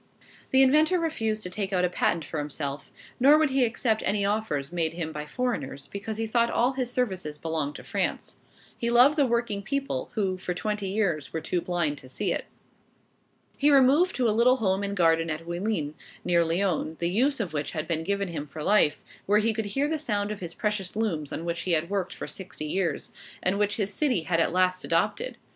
The inventor refused to take out a patent for himself, nor would he accept any offers made him by foreigners, because he thought all his services belonged to France. He loved the working people, who, for twenty years, were too blind to see it. He removed to a little home and garden at Oullins, near Lyons, the use of which had been given him for life, where he could hear the sound of his precious looms on which he had worked for sixty years, and which his city had at last adopted.